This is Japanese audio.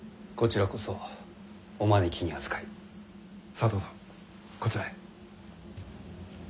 さあどうぞこちらへ。